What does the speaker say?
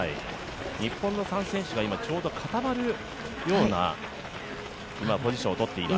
日本の３選手が今、ちょうど固まるようなポジションをとっています。